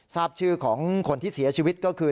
ทราบชื่อของคนที่เสียชีวิตก็คือ